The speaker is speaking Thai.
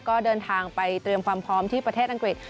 ก็เดินทางไปเตรียมความพร้อมที่ประเทศอังกฤษ